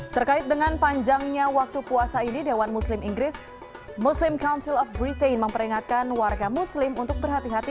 terkait dengan panjangnya waktu puasa ini dewan muslim inggris muslim council of britain memperingatkan warga muslim untuk berhati hati